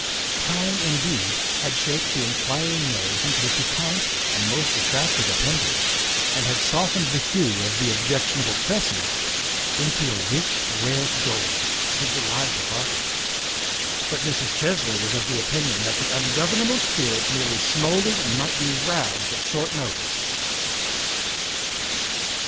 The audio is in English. Time, 120 THE WIFE OF indeed, had shaped the inquiring nose into a piquant and most attractive appendage, and had softened the hue of the objectionable tresses into a rich red gold, the delight of artists, but Mrs. Chesley was of the opinion that the ungovernable spirit merely smouldered and might be roused at short notice.